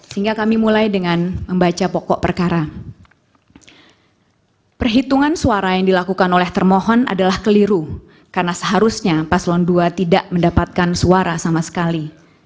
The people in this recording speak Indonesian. suara yang dilakukan oleh termohon adalah keliru karena seharusnya paslon dua tidak mendapatkan suara sama sekali